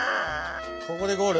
ここでゴール？